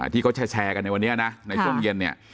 ที่เขาแชร์กันในวันนี้นะในช่วงเย็นเนี่ย